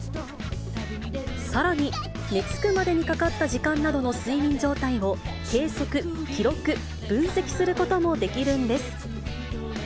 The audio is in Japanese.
さらに寝つくまでにかかった時間などの睡眠状態を計測、記録、分析することもできるんです。